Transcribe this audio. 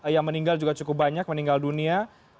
yang meninggal juga cukup banyak meninggal dunia